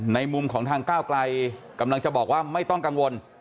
มุมของทางก้าวไกลกำลังจะบอกว่าไม่ต้องกังวล